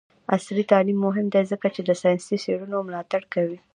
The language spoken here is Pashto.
عصري تعلیم مهم دی ځکه چې د ساینسي څیړنو ملاتړ کوي.